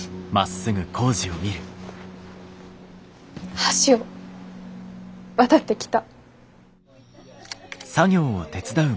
橋を渡ってきた。